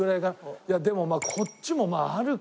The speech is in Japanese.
いやでもこっちもまああるか。